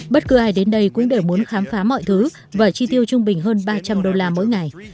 bất cứ ai đến đây cũng đều muốn khám phá mọi thứ và chi tiêu trung bình hơn ba trăm linh đô la mỗi ngày